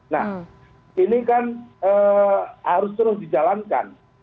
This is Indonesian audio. nah ini kan harus terus dijalankan